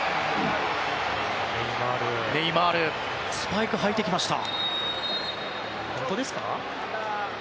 ネイマールがスパイクを履いてきました。